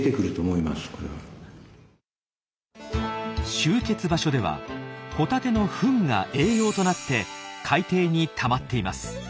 集結場所ではホタテのフンが栄養となって海底にたまっています。